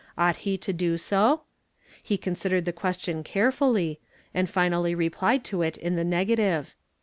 Ought he to do so? lie considered the question carefully, and finally replied to it in the negative.